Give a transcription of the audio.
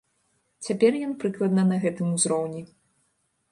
Цяпер ён прыкладна на гэтым узроўні.